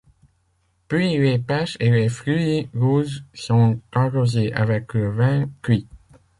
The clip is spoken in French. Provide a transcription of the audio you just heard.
Puis les pêches et les fruits rouges sont arrosés avec le vin cuit.